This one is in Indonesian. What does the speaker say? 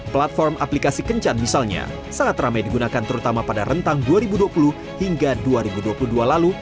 platform aplikasi kencan misalnya sangat ramai digunakan terutama pada rentang dua ribu dua puluh hingga dua ribu dua puluh dua lalu